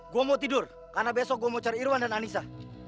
gue mau tidur karena besok gue mau cari irwan dan anissa